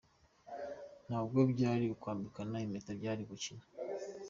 Ntabwo byari ukwambikana impeta, byari ugukina.